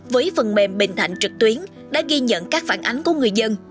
với phần mềm bình thạnh trực tuyến đã ghi nhận các phản ánh của người dân